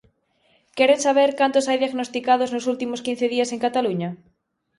¿Queren saber cantos hai diagnosticados nos últimos quince días en Cataluña?